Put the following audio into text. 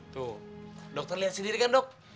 tuh dokter lihat sendiri kan dok